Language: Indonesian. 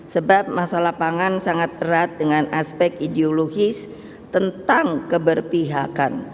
sebab masalah pangan sangat erat dengan aspek ideologis tentang keberpihakan